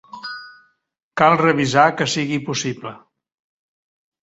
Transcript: Cal revisar que sigui possible.